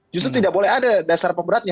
justru tidak boleh ada dasar pemberatnya